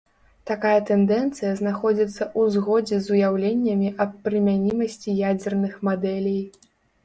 Такая тэндэнцыя знаходзіцца ў згодзе з уяўленнямі аб прымянімасці ядзерных мадэлей.